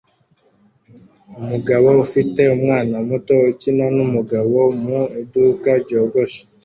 umugabo ufite umwana muto ukina numugabo mu iduka ryogosha